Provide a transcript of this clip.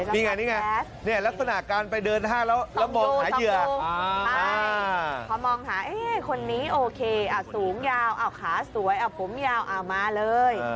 นี่ไงนี่ไงลักษณะการไปเดินห้างแล้วมองหาเหยื่อพอมองหาคนนี้โอเคสูงยาวขาสวยผมยาวมาเลย